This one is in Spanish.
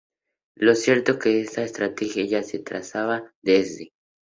lo cierto es que esta estrategia ya se trazaba desde